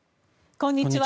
こんにちは。